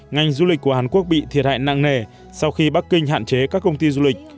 ngành du lịch của hàn quốc bị thiệt hại nặng nề sau khi bắc kinh hạn chế các công ty du lịch